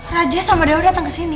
raja sama dewa datang kesini